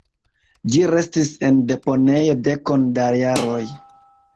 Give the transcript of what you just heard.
Ĝi restis en deponejo dekon da jaroj.